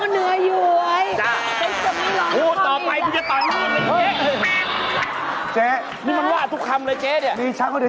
แล้วก็เหนื่อย